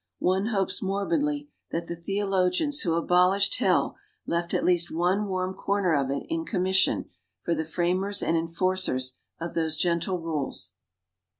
One hopes, morbidly, that the theologians who abolished Hell left at least one warm corner of it in commission, for the framers and enforcers of those gentle rules.